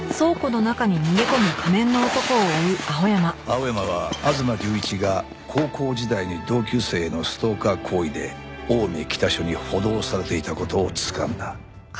青山は吾妻隆一が高校時代に同級生へのストーカー行為で青梅北署に補導されていた事をつかんだ。